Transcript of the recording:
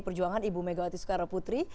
perjuangan ibu megawati soekaraputri